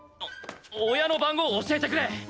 親の番号教えてくれ！